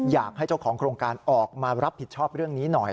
อยากให้เจ้าของโครงการออกมารับผิดชอบเรื่องนี้หน่อย